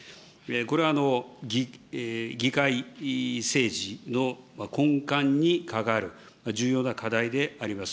これ、議会政治の根幹に関わる重要な課題であります。